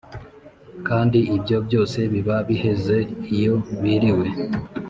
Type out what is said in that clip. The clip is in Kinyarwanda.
kandi ibyo byose biba biheze iyo biriwe